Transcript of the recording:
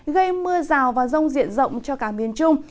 gây mưa rào và rông diện rộng cho cả miền trung